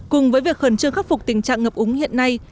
cùng với việc khẩn trương khắc phục tình trạng ngập úng hiện nay